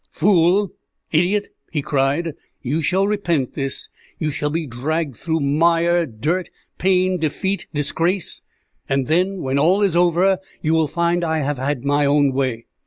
"Fool, idiot!" he cried, "you shall repent this. You shall be dragged through mire, dirt, pain, defeat, disgrace, and then, when all is over, you will find I have had my own way!"